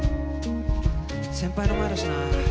先輩の前だしな。